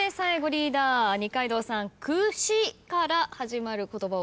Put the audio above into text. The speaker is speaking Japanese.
リーダー二階堂さん「くし」から始まる言葉